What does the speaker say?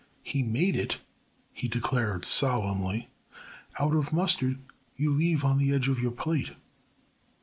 "He made it," he declared solemnly, "out of mustard you leave on the edge of your plate."